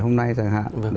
hôm nay chẳng hạn